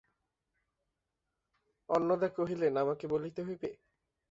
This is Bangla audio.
অন্নদা কহিলেন, আমাকে বলিতে হইবে?